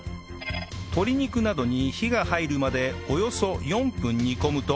鶏肉などに火が入るまでおよそ４分煮込むと